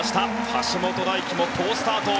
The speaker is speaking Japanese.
橋本大輝も好スタート。